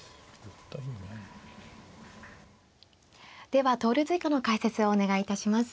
では投了図以下の解説をお願いいたします。